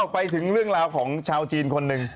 ไปถึงเรื่องราวของชาวจีนคนหนึ่ง